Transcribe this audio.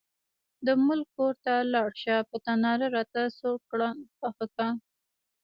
د ملک کور ته لاړه شه، په تناره راته سوکړکان پاخه کړه.